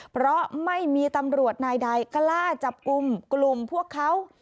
เพราะไม่มีตำรวจนายใดกล้าจับกลุ่มกลุ่มพวกเขา